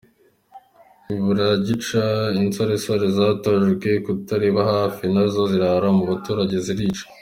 Bibura gica, insoresore zatojwe kutareba hafi, nazo zirara mubaturage zirica.